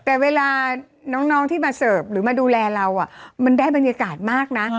แต่เวลาน้องที่มาเสิร์ฟหรือมาดูแลเรามันได้บรรยากาศมากนะ